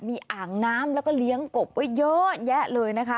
มีอ่างน้ำแล้วก็เลี้ยงกบไว้เยอะแยะเลยนะคะ